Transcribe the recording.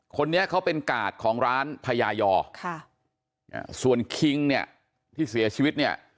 คนนี้เขาเป็นกาดของร้านพญายอค่ะส่วนคิงเนี่ยที่เสียชีวิตเนี่ย